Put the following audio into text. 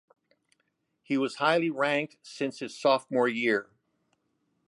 He was highly ranked since his sophomore year.